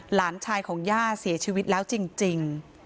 หลานชายของย่าเสียชีวิตแล้วจริง